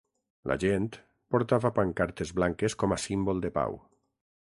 La gent portava pancartes blanques com a símbol de pau.